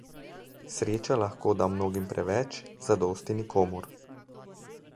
Sreča lahko da mnogim preveč, zadosti nikomur.